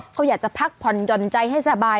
เขาอยากจะพักผ่อนหย่อนใจให้สบาย